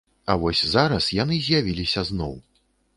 А вось зараз яны з'явіліся зноў.